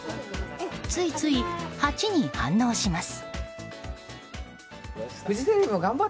ついつい８に反応します。